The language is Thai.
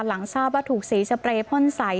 หลังทราบว่าถูกสีสเปรย์พ่นใส